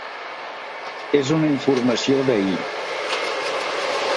És una informació d’ahir.